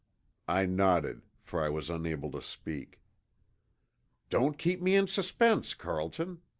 I nodded, for I was unable to speak. "Don't keep me in suspense, Carlton!